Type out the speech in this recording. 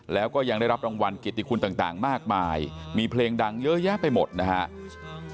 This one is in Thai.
แล้วก็ยังได้รับรางวัลเกียรติคุณต่างมากมายมีเพลงดังเยอะแยะไปหมดนะครับ